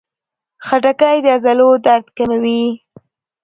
خټکی د عضلو درد کموي.